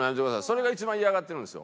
それが一番嫌がってるんですよ。